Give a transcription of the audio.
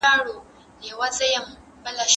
روغتیایي حقونه د ټولنیز پرمختګ لپاره مهم دي.